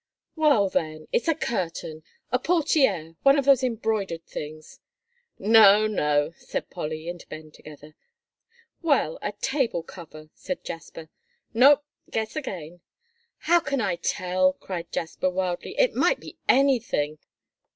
"Well, then, it's a curtain a portière, one of those embroidered things." "No, no," said Polly and Ben together. "Well, a table cover," said Jasper. "No, guess again." "How can I tell?" cried Jasper, wildly. "It might be anything."